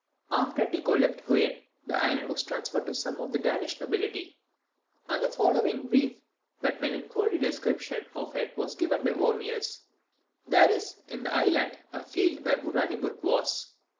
After Tycho left Huen, the island was transferred to some of the Danish nobility, and the following brief but melancholy description of it was given by Wormius. "There is, in the island, a field where Uraniburg was."